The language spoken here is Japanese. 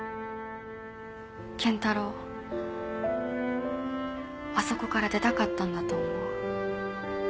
賢太郎あそこから出たかったんだと思う。